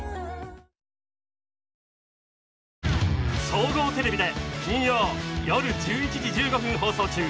総合テレビで金曜夜１１時１５分放送中！